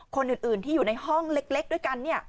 คนอื่นที่อยู่ในห้องเล็กด้วยกัน